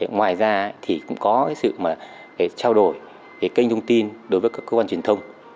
ngoài ra thì cũng có sự trao đổi về kênh thông tin đối với các cơ quan truyền thông